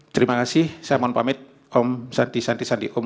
terima kasih saya mau pamit om santi santi santi om